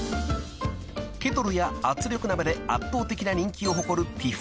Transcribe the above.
［ケトルや圧力鍋で圧倒的な人気を誇る］